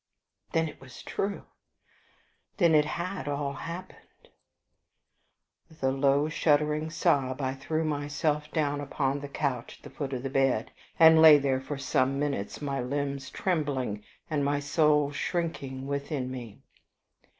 Then it was true! Then it had all happened! With a low shuddering sob I threw myself down upon the couch at the foot of the bed, and lay there for some minutes, my limbs trembling, and my soul shrinking within me.